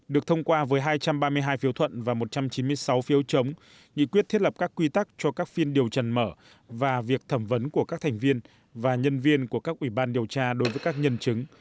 được thông qua với hai trăm ba mươi hai phiếu thuận và một trăm chín mươi sáu phiếu chống nghị quyết thiết lập các quy tắc cho các phiên điều trần mở và việc thẩm vấn của các thành viên và nhân viên của các ủy ban điều tra đối với các nhân chứng